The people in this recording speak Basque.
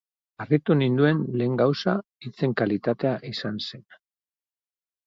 Harritu ninduen lehen gauza hitzen kalitatea izan zen.